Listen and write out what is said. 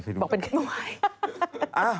บอกเป็นของขาย